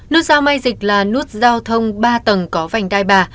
nút sao mai dịch là nút giao thông ba tầng có phảnh đại ba